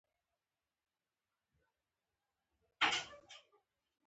مې لامبو پیل کړ، څو چې ځان مې د سیند څنډې پورې.